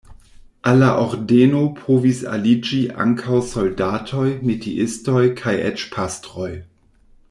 Al la ordeno povis aliĝi ankaŭ soldatoj, metiistoj kaj eĉ pastroj.